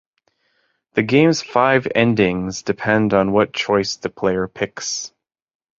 The game's five endings depend on what choice the player picks.